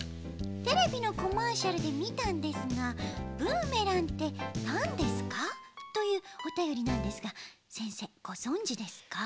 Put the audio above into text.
「テレビのコマーシャルでみたんですがブーメランってなんですか？」というおたよりなんですがせんせいごぞんじですか？